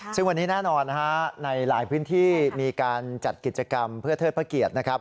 ซึ่งวันนี้แน่นอนนะฮะในหลายพื้นที่มีการจัดกิจกรรมเพื่อเทิดพระเกียรตินะครับ